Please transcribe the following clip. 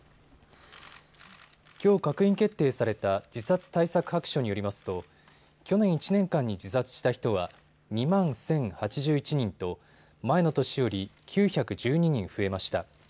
きょう閣議決定された自殺対策白書によりますと去年１年間に自殺した人は２万１０８１人と前の年より９１２人増えました。